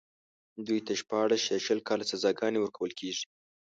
دوی ته شپاړس يا شل کاله سزاګانې ورکول کېږي.